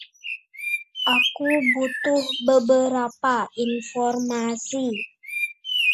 Aku butuh beberapa informasi.